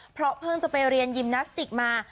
เพราะเพิ่งจะไปเรียนยิมนาสติกมา